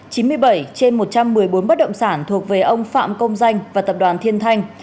chín mươi bảy trên một trăm một mươi bốn bất động sản thuộc về ông phạm công danh và tập đoàn thiên thanh